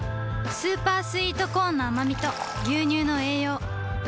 スーパースイートコーンのあまみと牛乳の栄養